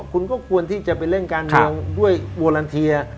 คุณก็ควรที่จะไปเล่นการเมืองด้วยโวลันเทีย